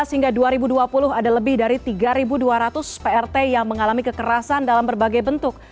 dua ribu lima belas hingga dua ribu dua puluh ada lebih dari tiga dua ratus prt yang mengalami kekerasan dalam berbagai bentuk